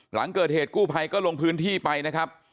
หลังเกิดเหตุกู้ภัยก็ลงพื้นที่ไปนะครับ